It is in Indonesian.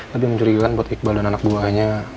lebih mencurigakan buat iqbal dan anak buahnya